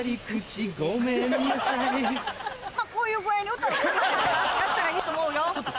まぁこういう具合に歌歌ってやったらいいと思うよ。